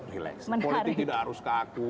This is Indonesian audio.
relasi politik tidak harus kaku